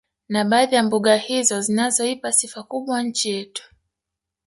Na baadhi ya mbuga hizo zinazoipa sifa kubwa nchi yetu